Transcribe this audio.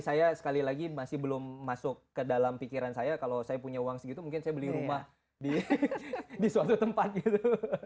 saya sekali lagi masih belum masuk ke dalam pikiran saya kalau saya punya uang segitu mungkin saya beli rumah di suatu tempat gitu